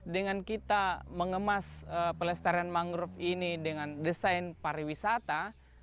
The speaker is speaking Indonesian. dengan kita mengemas pelestarian mangrove ini dengan desain pariwisata